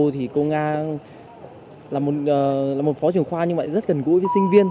thì cô nga là một phó trường khoa nhưng mà rất gần gũi với sinh viên